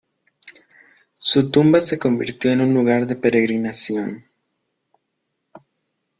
Su tumba se convirtió en un lugar de peregrinación.